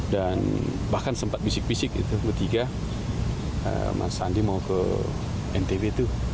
dan bahkan sempat bisik bisik itu ketiga mas sandi mau ke ntb itu